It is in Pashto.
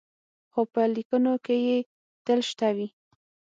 خو په لیکنو کې یې تل شته وي.